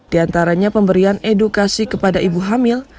di antaranya pemberian edukasi kepada ibu hamil